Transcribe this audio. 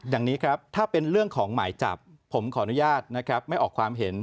อย่างนี้ครับถ้าเป็นเรื่องของหมายจับผมขออนุญาตนะครับไม่ออกความเห็น